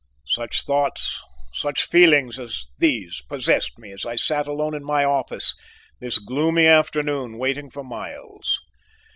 Such thoughts, such feelings as these possessed me as I sat alone in my office this gloomy afternoon waiting for Miles.